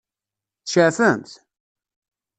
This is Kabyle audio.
Tceɛfemt?